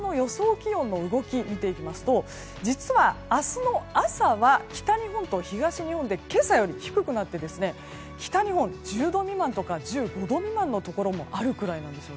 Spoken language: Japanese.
気温の動きを見ていきますと実は、明日の朝は北日本と東日本で今朝よりも低くなって北日本は１０度未満とか１５度未満のところもあるくらいです。